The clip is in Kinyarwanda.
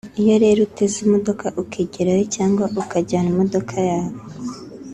iyo rero uteze imodoka ukigirayo cyangwa ukajyana imodoka yawe